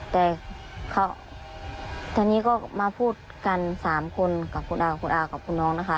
แต่ทีนี้ก็มาพูดกัน๓คนกับคุณอากับคุณน้องนะคะ